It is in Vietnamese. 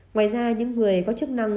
ngoài ra những người có chức năng